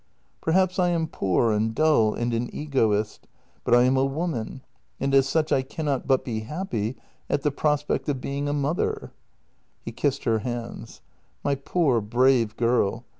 " Perhaps I am poor and dull and an egoist, but I am a woman, and as such I cannot but be happy at the prospect of being a mother." He kissed her hands: "My poor, brave girl!